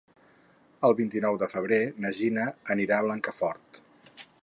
El vint-i-nou de febrer na Gina anirà a Blancafort.